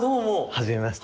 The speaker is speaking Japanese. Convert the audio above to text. はじめまして。